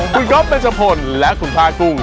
คุณคอฟมันสะพนและคุณฐานกุ๊ง